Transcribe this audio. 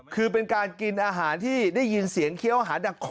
คือเป็นการกินอาหารที่ได้ยินเสียงเคี้ยวหาดักคอ